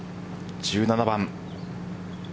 １７番。